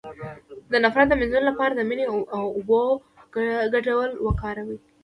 د نفرت د مینځلو لپاره د مینې او اوبو ګډول وکاروئ